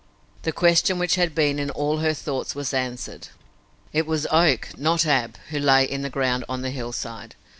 The question which had been in all her thoughts was answered! It was Oak, not Ab, who lay in the ground on the hillside.